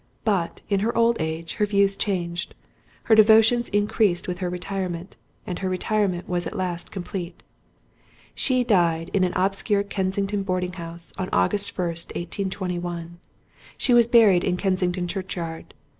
But, in her old age, her views changed; her devotions increased with her retirement; and her retirement was at last complete. She died, in an obscure Kensington boarding house, on August 1, 1821. She was buried in Kensington churchyard.